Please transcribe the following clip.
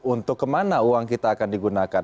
untuk kemana uang kita akan digunakan